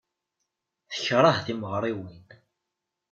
Tekṛeh timeɣriwin.